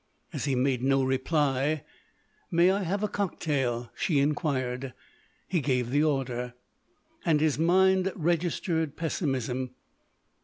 As he made no reply: "May I have a cocktail?" she inquired. He gave the order. And his mind registered pessimism.